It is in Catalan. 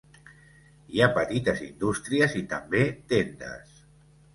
Hi ha petites indústries i també tendes.